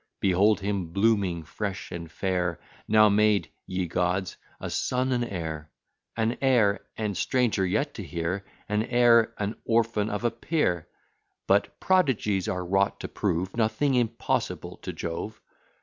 Behold him blooming fresh and fair, Now made ye gods a son and heir; An heir: and, stranger yet to hear, An heir, an orphan of a peer; But prodigies are wrought to prove Nothing impossible to Jove.